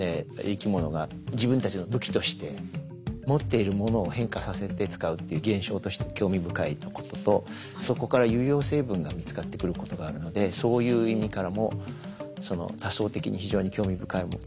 生き物が自分たちの武器として持っているものを変化させて使うっていう現象として興味深いこととそこから有用成分が見つかってくることがあるのでそういう意味からも多層的に非常に興味深い対象だと思って研究してます。